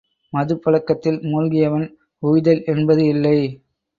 மதுப்பழக்கத்தில் மூழ்கியவன் உய்தல் என்பது இல்லை.